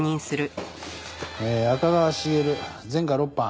赤川茂前科６犯。